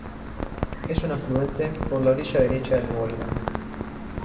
Es una afluente por la orilla derecha del Volga.